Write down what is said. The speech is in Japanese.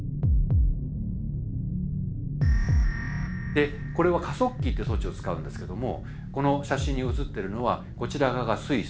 でこれは加速器って装置を使うんですけどもこの写真に写ってるのはこちら側がスイス